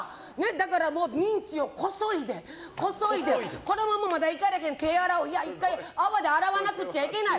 だからミンチをこそいでこそいでこのままいかれへん手洗おう１回泡で洗わなくちゃいけない。